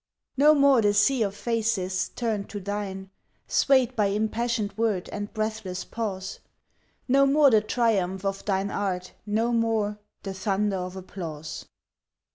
No more the sea of faces, turned to thine, Swayed by impassioned word and breathless pause; No more the triumph of thine art no more The thunder of applause.